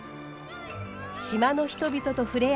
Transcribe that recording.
島の人々と触れ合い